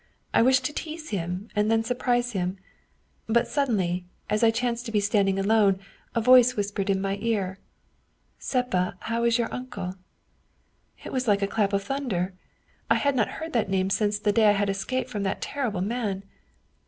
I wished to tease him and then surprise him. But suddenly, as I chanced to be standing alone, a voice whispered in my ear, ' Seppa, how is your uncle?' It was like a clap of thunder. I had not heard that name since the day I had escaped from that terrible man.